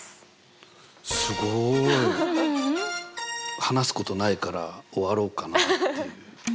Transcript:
すごい！話すことないから終わろうかなっていう。